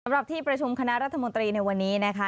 ที่ประชุมคณะรัฐมนตรีในวันนี้นะคะ